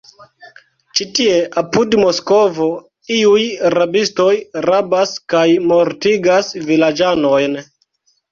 Ĉi tie, apud Moskvo, iuj rabistoj rabas kaj mortigas vilaĝanojn!